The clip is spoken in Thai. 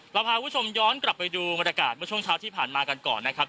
เราพาคุณผู้ชมย้อนกลับไปดูบรรยากาศเมื่อช่วงเช้าที่ผ่านมากันก่อนนะครับ